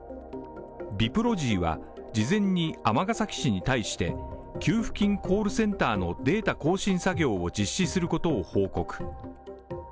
ビプロジーは事前に尼崎市に対して給付金コールセンターのデータ更新作業を実施することを報告。